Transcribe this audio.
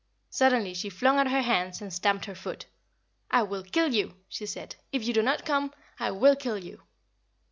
Suddenly she flung out her hands and stamped her foot. "I will kill you," she said. "If you do not come I will kill you!"